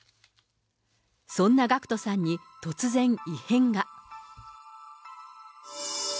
そんなＧＡＣＫＴさんに突然異変が。